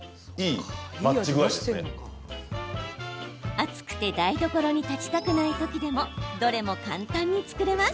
暑くて台所に立ちたくない時でもどれも簡単に作れます。